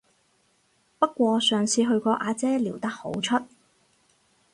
不過上次去個阿姐撩得好出